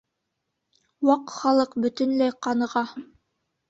— Ваҡ Халыҡ бөтөнләй ҡаныға.